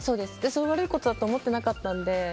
そんな悪いことだと思ってなかったので。